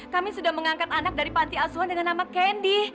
kami sudah mengangkat anak dari panti asuhan dengan nama kendi